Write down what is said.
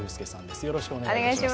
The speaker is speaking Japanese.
よろしくお願いします。